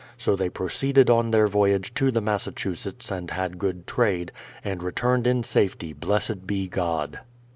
So they proceeded on their voyage to the Massachusetts and had good trade, and returned in safety blessed be God!